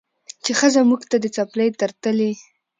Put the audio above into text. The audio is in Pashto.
چې ښځه موږ ته د څپلۍ تر تلي